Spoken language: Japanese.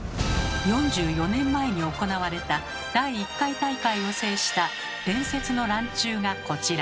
４４年前に行われた第１回大会を制した伝説のランチュウがこちら。